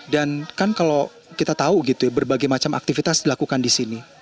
dan kan kalau kita tahu gitu ya berbagai macam aktivitas dilakukan di sini